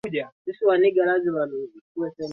kiswahili walihofia wanyama hao kiswahili kudhaniwa